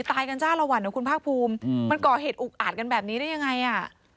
ตายกันจ้าละวันนะคุณภาคภูมิมันก่อเหตุอุกอาจกันแบบนี้ได้ยังไงอ่ะ